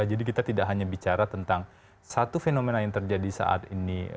jadi kita tidak hanya bicara tentang satu fenomena yang terjadi saat ini